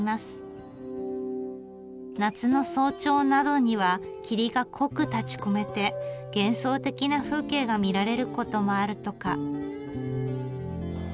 夏の早朝などには霧が濃く立ちこめて幻想的な風景が見られることもあるとか。